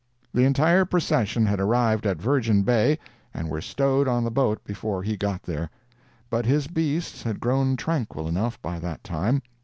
The entire procession had arrived at Virgin Bay and were stowed on the boat before he got there. But his beasts had grown tranquil enough by that time.